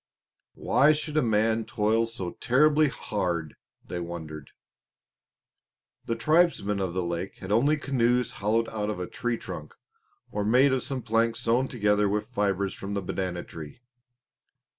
"Why should a man toil so terribly hard?" they wondered. The tribesmen of the lake had only canoes hollowed out from a tree trunk, or made of some planks sewn together with fibres from the banana tree.